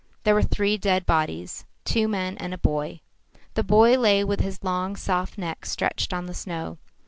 There were three dead bodies, two men and a boy. The boy lay with his long soft neck stretched on the snow.